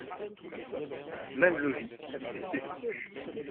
Même logique, il est défendu.